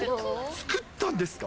作ったんですか？